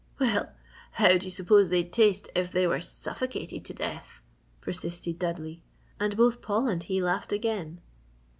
"Well, how do you s'pose they'd taste if they were suffocated to death?" persisted Dudley, and both Paul and he laughed again.